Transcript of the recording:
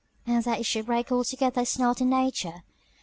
and that it should break altogether is not in nature.